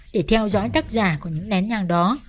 để theo dõi tác giả của những nén nhang đó